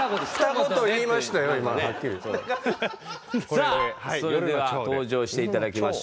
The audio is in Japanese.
さあそれでは登場して頂きましょう。